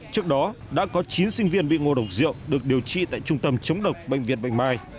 trước đó đã có chín sinh viên bị ngộ độc rượu được điều trị tại trung tâm chống độc bệnh viện bạch mai